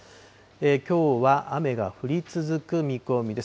きょうは雨が降り続く見込みです。